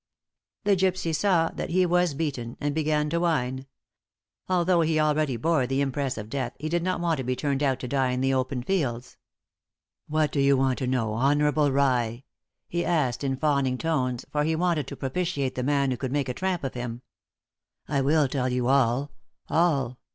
The gypsy saw that he was beaten, and began to whine. Although he already bore the impress of death, he did not want to be turned out to die in the open fields. "What do you want to know, honourable rye?" he asked, in fawning tones, for he wanted to propitiate the man who could make a tramp of him. "I will tell you all all.